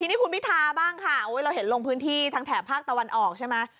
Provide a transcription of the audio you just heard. ทีนี้คุณพิธาบ้างค่ะเราเห็นลงพื้นที่ทางแถบภาคตะวันออกใช่ไหม